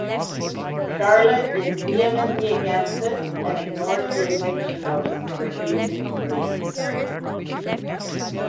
Charlotte is vehemently against this and ignores the eviction notice, refusing to leave.